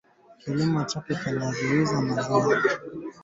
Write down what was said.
Na Generali Eugene Nkubito kutoka kambi ya kijeshi ya Kibungo nchini Rwanda